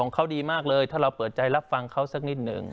เขาดีมากเลยถ้าเราเปิดใจรับฟังเขาสักนิดหนึ่ง